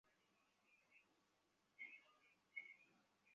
এটা সত্যিই ঘটছে!